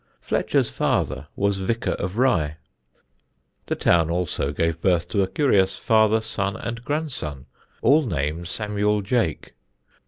Fletcher's father was vicar of Rye. The town also gave birth to a curious father, son, and grandson, all named Samuel Jeake.